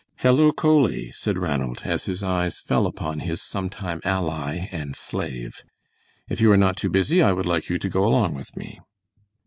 "Hello, Coley!" said Ranald, as his eyes fell upon his sometime ally and slave. "If you are not too busy I would like you to go along with me."